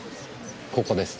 ここですね？